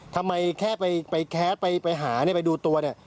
ทำไมแค่ไปแค๊สไปหาไปดูตัวเนี่ย